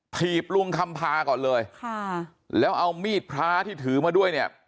ถีบลุงคำพาก่อนเลยค่ะแล้วเอามีดพระที่ถือมาด้วยเนี่ย